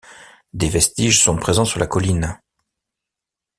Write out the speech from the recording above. Des vestiges sont présents sur la colline.